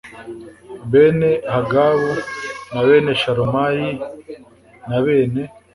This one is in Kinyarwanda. bene Hagabu na bene Shalumayi na bene